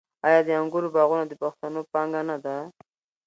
آیا د انګورو باغونه د پښتنو پانګه نه ده؟